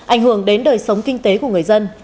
ảnh hưởng đến đời sống kinh tế của người dân